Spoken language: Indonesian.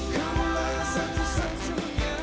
kau lah satu satunya